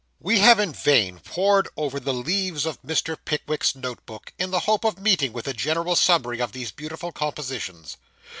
We have in vain pored over the leaves of Mr. Pickwick's note book, in the hope of meeting with a general summary of these beautiful compositions.